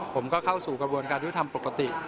ผมก็เข้าสู่กระบวนการยุทธธรรมปกติ